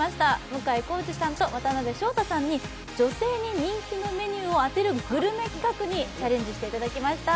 向井康二さんと渡辺翔太さんに女性に人気のメニューを当てるグルメ企画にチャレンジしていただきました。